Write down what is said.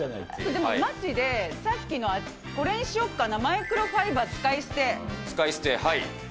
でも、まじで、さっきのこれにしようかな、マイクロファイバー使使い捨て、はい。